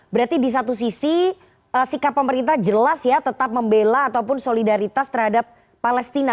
berarti di satu sisi sikap pemerintah jelas ya tetap membela ataupun solidaritas terhadap palestina